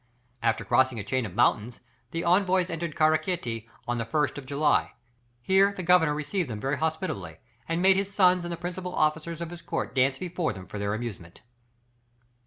After crossing a chain of mountains the envoys entered Kara Kâty on the 1st of July; here the governor received them very hospitably, and made his sons and the principal officers of his court dance before them for their amusement.